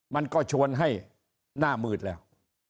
มันก็ชวนให้หน้ามืดแล้ว